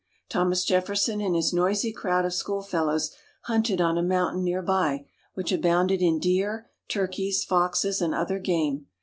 Thomas Jefferson and his noisy crowd of schoolfellows hunted on a mountain near by, which abounded in deer, turkeys, foxes, and other game.